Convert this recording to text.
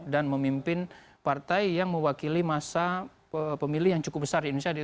dan memimpin partai yang mewakili masa pemilih yang cukup besar di indonesia